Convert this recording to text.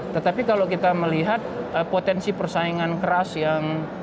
tetapi kalau kita melihat potensi persaingan keras yang